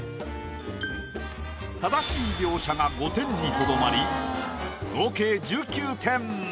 正しい描写が５点にとどまり合計１９点。